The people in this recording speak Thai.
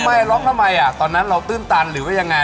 แล้วแอร์ร้องทำไมอ่ะตอนนั้นเราตื่นตันหรือยังไง